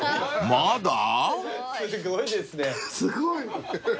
すごい。